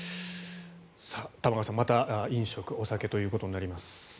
玉川さんまた飲食、お酒ということになります。